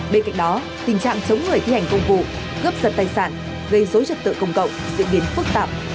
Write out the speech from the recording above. bên cạnh đó tình trạng chống người thi hành công cụ gấp dần tài sản gây rối trật tự công cộng diễn biến phức tạp